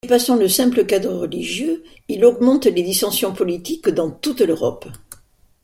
Dépassant le simple cadre religieux, il augmente les dissensions politiques dans toute l’Europe.